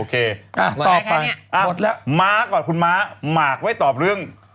โอเคเอ่อเออหมดละม้ากอดคุณม้ามาร์คไว้ตอบเรื่อง